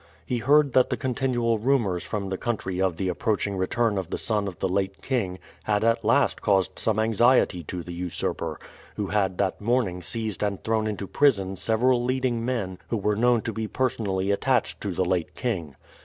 He heard that the continual rumors from the country of the approaching return of the son of the late king had at last caused some anxiety to the usurper, who had that morning seized and thrown into prison several leading men who were known to be personally attached to the late king.